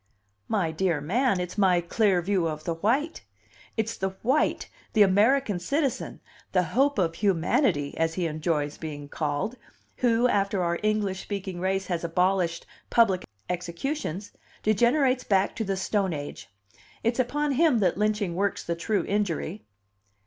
"My dear man, it's my clear view of the white! It's the white, the American citizen, the 'hope of humanity,' as he enjoys being called, who, after our English speaking race has abolished public executions, degenerates back to the Stone Age. It's upon him that lynching works the true injury."